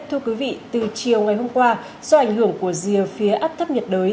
thưa quý vị từ chiều ngày hôm qua do ảnh hưởng của rìa phía áp thấp nhiệt đới